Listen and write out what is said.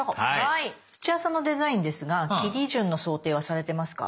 土屋さんのデザインですが切り順の想定はされてますか？